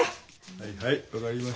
はいはい分かりました。